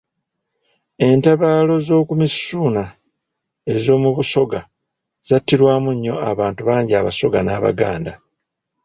Entabaalo z'oku Misuuna ez'omu Busoga zattirwamu nnyo abantu bangi Abasoga n'Abaganda.